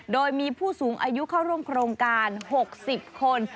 โดยมีผู้สูงอายุเข้าร่วมโครงการ๖๐คน